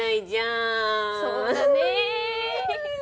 そうだね！